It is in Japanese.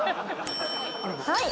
はい！